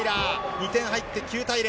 ２点入って９対０。